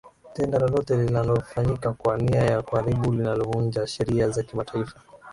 tendo lolote linalofanyika kwa nia ya kuharibu linavunja sheria za kimataifa